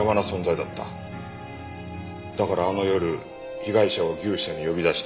だからあの夜被害者を牛舎に呼び出して。